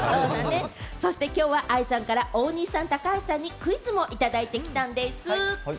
そして今日はＡＩさんから大西さん、高橋さんにクイズをいただいてきたんでぃす。